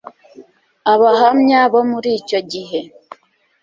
Abahamya bo muri icyo gihe